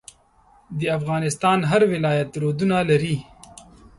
د افغانستان هر ولایت رودونه لري.